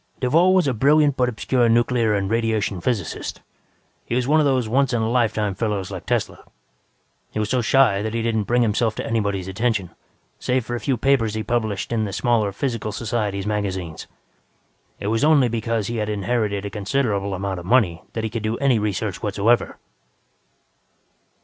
"Duvall was a brilliant but obscure nuclear and radiation physicist. He was one of those once in a lifetime fellows like Tesla. He was so shy that he didn't bring himself to anybody's attention, save for a few papers he published in the smaller physical societies' magazines. It was only because he had inherited a considerable amount of money that he could do any research whatsoever."